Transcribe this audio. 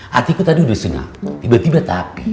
hatiku tadi udah senang tiba tiba tapi